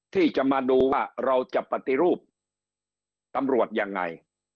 ที่จะมาดูว่าเราจะปฏิรูปตำรวจยังไง